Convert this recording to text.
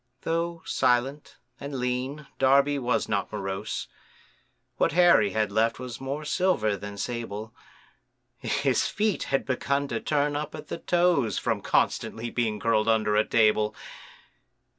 Though silent and lean, Darby was not morose, What hair he had left was more silver than sable, His feet had begun to turn up at the toes, From constantly being curled under a table.